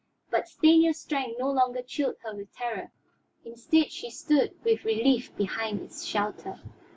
But Stanief's strength no longer chilled her with terror; instead she stood with relief behind its shelter.